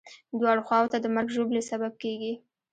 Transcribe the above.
دواړو خواوو ته د مرګ ژوبلې سبب کېږي.